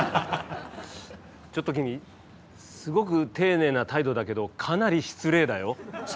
ちょっと君すごく丁寧な態度だけどかなり失礼だよ。